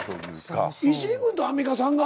石井君とアンミカさんが！？